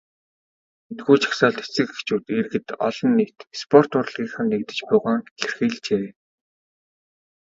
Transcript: Энэхүү жагсаалд эцэг эхчүүд, иргэд олон нийт, спорт, урлагийнхан нэгдэж буйгаа илэрхийлжээ.